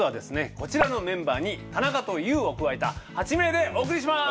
こちらのメンバーに田中とＹＯＵを加えた８名でお送りします。